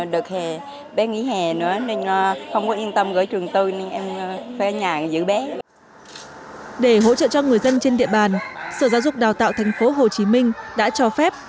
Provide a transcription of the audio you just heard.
để hỗ trợ cho người dân trên địa bàn sở giáo dục đào tạo tp hcm đã cho phép